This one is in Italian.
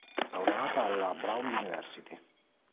Laureata alla Brown University.